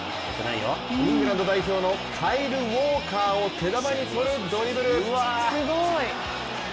イングランド代表のカイル・ウォーカーを手玉に取るドリブル。